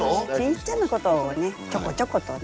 ちっちゃなことをねちょこちょことね。